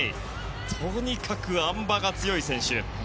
とにかくあん馬が強い選手。